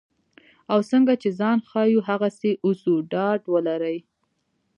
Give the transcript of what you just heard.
او څنګه چې ځان ښیو هغسې اوسو ډاډ ولرئ.